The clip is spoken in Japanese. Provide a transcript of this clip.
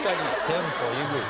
テンポえぐい。